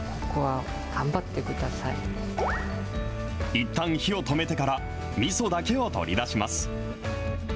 いったん火を止めてから、みそだけを取り出します。